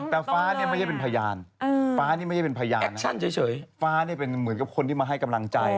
แต่ฟ้าเนี่ยไม่ใช่เป็นพยานฟ้านี่ไม่ใช่เป็นพยานนะฟ้านี่เป็นเหมือนกับคนที่มาให้กำลังใจ